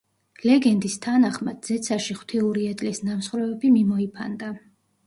ლეგენდის თანახმად, ზეცაში ღვთიური ეტლის ნამსხვრევები მიმოიფანტა.